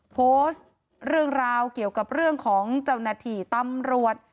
โพสต์เรื่องราวเกี่ยวกับเรื่องของเจ้าหน้าที่ตำรวจ